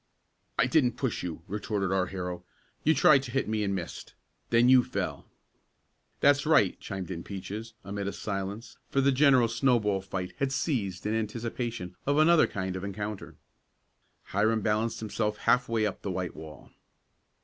"I didn't push you!" retorted our hero. "You tried to hit me and missed. Then you fell." "That's right!" chimed in Peaches, amid a silence, for the general snowball fight had ceased in anticipation of another kind of an encounter. Hiram balanced himself half way up the white wall.